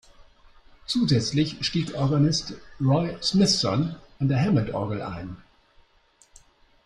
Zusätzlich stieg Organist Roy Smithson an der Hammond-Orgel ein.